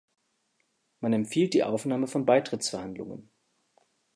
Man empfiehlt die Aufnahme von Beitrittsverhandlungen.